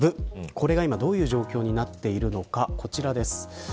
これが今どういう状況になっているのかこちらです。